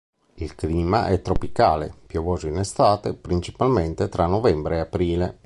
Il clima è tropicale, piovoso in estate, principalmente tra novembre e aprile.